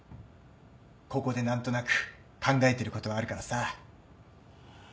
ここで何となく考えてることはあるからさ。